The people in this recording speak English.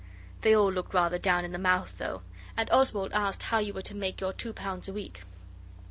They all looked rather down in the mouth, though, and Oswald asked how you were to make your two pounds a week.